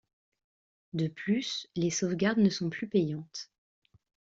De plus, les sauvegardes ne sont plus payantes.